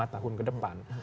lima tahun ke depan